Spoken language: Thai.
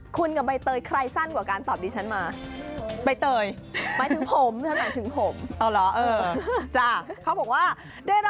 คุณกับใบเตยใครสั้นกว่าการตอบดิฉันมาใบเตย